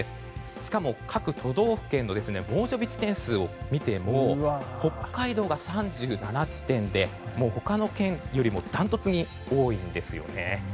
しかも各都道府県の猛暑日地点数を見ても北海道が３７地点で他の県よりもダントツに多いんですよね。